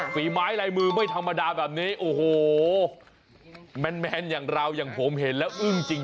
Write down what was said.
ฝีไม้ลายมือไม่ธรรมดาแบบนี้โอ้โหแมนอย่างเราอย่างผมเห็นแล้วอึ้งจริง